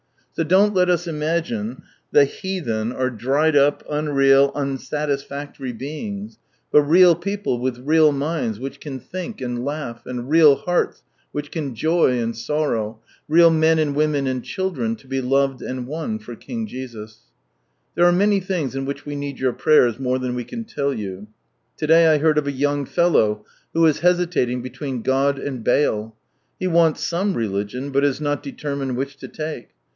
So don't let us imagine "the heathen " are cj^ \ dried up, unreal, unsatisfactory beings, but rea/ people with real minds which can think and laugh, and real hearts which can joy and sorrow, real men and women and children, lo be loved and won for King Jesus, There are many things in which we need your prayers more than we can lell you. To^Iay I heard of a young fellow who is hesitating between God and Baal, " He wants lomc religion, but is not determined which to take.